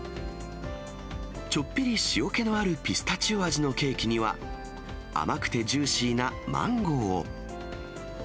ちょっぴり塩気のあるピスタチオ味のケーキには、甘くてジューシーなマンゴーを。